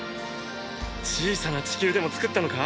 小さな地球でも作ったのか？